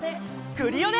クリオネ！